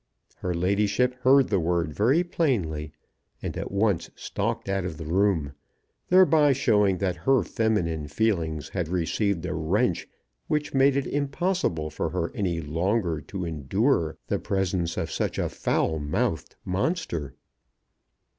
Her ladyship heard the word very plainly, and at once stalked out of the room, thereby showing that her feminine feelings had received a wrench which made it impossible for her any longer to endure the presence of such a foul mouthed monster.